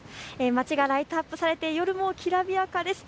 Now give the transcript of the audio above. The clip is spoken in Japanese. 街がライトアップされて夜もきらびやかです。